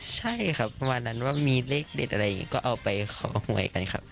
ใช่ครับวันนั้นว่ามีเลขเด็ดอะไรก็เอาไปขอไหว้กันครับ